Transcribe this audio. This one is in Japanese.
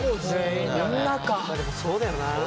まあでもそうだよな。